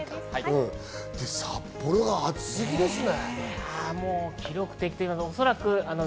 札幌、暑すぎですね。